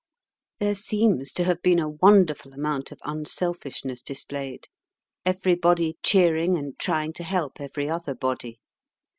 There seems to have been a wonderful amount of unselfishness displayed, everybody cheering and trying to help every other body.